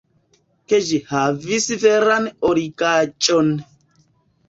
ke ĝi havis veran origaĵon.